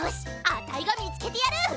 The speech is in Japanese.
あたいがみつけてやる！